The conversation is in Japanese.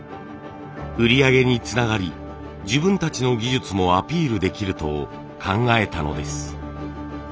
売り上げにつながり自分たちの技術もアピールできると考えたのです。